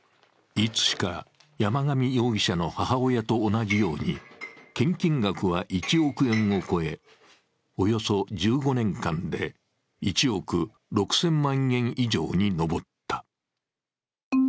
いつしか山上容疑者の母親と同じように、献金額は１億円を超え、およそ１５年間で１億６０００万円以上に上った。